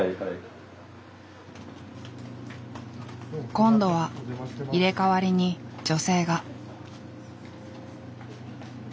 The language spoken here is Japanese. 今度は入れ代わりに女性が。